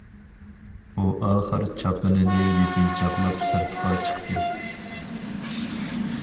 ئۇ ئاخىر چاپىنىنى يېپىنچاقلاپ سىرتقا چىقتى.